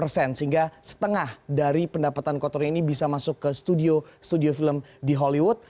sehingga setengah dari pendapatan kotor ini bisa masuk ke studio studio film di hollywood